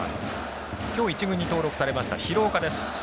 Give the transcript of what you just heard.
今日１軍に登録されました廣岡です。